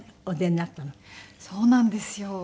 そうなんですよ。